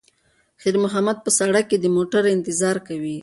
خیر محمد په سړک کې د موټرو انتظار کوي.